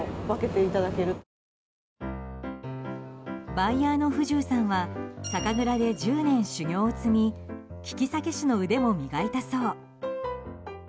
バイヤーの藤生さんは酒蔵で１０年間、修業を積み利き酒師の腕も磨いたそう。